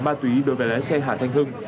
có chất ma túy đối với lái xe hà thanh hưng